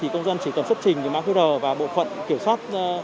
công dân chỉ cần xuất trình mã qr và bộ phận kiểm soát